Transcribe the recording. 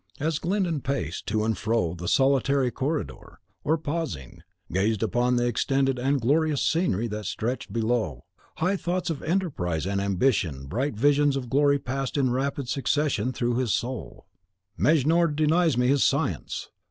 As Glyndon paced to and fro the solitary corridor, or, pausing, gazed upon the extended and glorious scenery that stretched below, high thoughts of enterprise and ambition bright visions of glory passed in rapid succession through his soul. "Mejnour denies me his science.